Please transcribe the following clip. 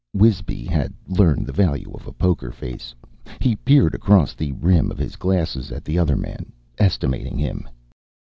Wisby had learned the value of a poker face. He peered across the rim of his glass at the other man, estimating him.